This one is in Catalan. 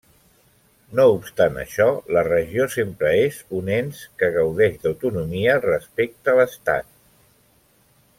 No obstant això, la Regió sempre és un ens que gaudeix d'autonomia respecte a l'estat.